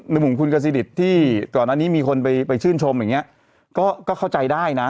ในมุมคุณกระซิดิตที่ก่อนอันนี้มีคนไปไปชื่นชมอย่างเงี้ยก็ก็เข้าใจได้น่ะ